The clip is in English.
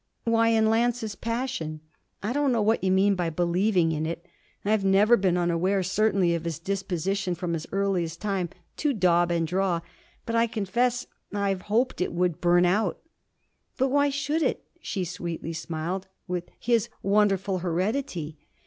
'Why in Lance's passion.' 'I don't know what you mean by "believing in it". I've never been unaware, certainly, of his disposition, from his earliest time, to daub and draw; but I confess I've hoped it would burn out.' 'But why should it,' she sweetly smiled, 'with his wonderful heredity?